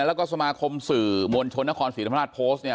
แล้วก็สมาคมสื่อหมวญชนะครศรีรภราษณ์โพสต์เนี่ย